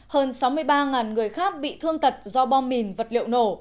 hơn sáu mươi ba người khác bị thương tật do bom mìn vật liệu nổ